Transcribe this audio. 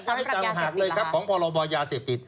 ก็ให้ต่างหากเลยครับของพรบยาเสพติด